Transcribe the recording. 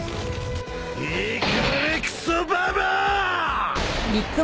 いかれクソババア！